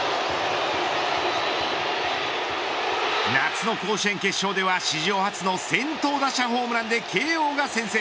夏の甲子園決勝では史上初の先頭打者ホームランで慶応が先制。